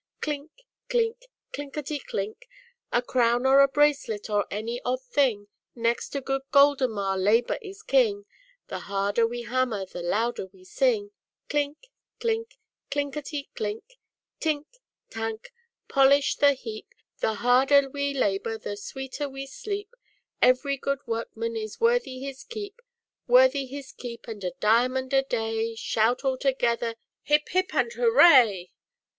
" Klink ! klink ! klinkety ! kling ! A crown or a bracelet or any odd thing. Next to Good Goldemar, Labor is King, The harder we hammer, the louder we sing, Klink ! klink ! klinkety ! kling !" Tink ! tank ! polish the heap, The harder we labor the sweeter we sleep. Every good workman is worthy his keep; Worthy his keep and a diamond a day, Shout all together, 'Hip, hip and hooray